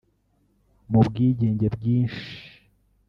Mu bwenge bwinshi